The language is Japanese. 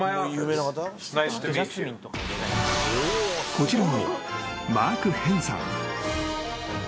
［こちらのマーク・ヘンさん］